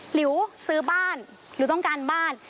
หรือซื้อบ้านหลิวต้องการบ้าน